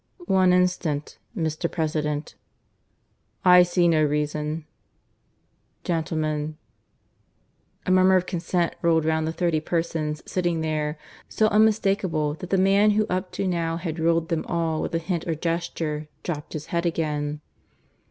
"One instant, Mr. President " "I see no reason " "Gentlemen " A murmur of consent rolled round the thirty persons sitting there, so unmistakable that the man who up to now had ruled them all with a hint or gesture dropped his head again.